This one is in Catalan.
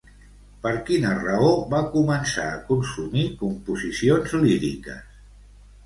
Per quina raó va començar a consumir composicions líriques?